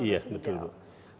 iya betul bu